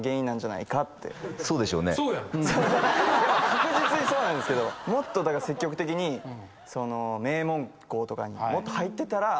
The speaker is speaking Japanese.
確実にそうなんですけどもっと積極的に名門校とかに入ってたら。